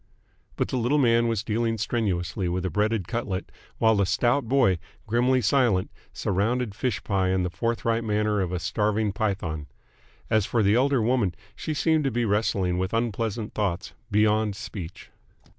But the little man was dealing strenuously with a breaded cutlet, while the stout boy, grimly silent, surrounded fish pie in the forthright manner of a starving python. As for the elder woman, she seemed to be wrestling with unpleasant thoughts, beyond speech.